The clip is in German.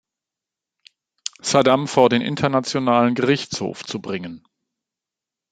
Saddam vor den internationalen Gerichtshof zu bringen?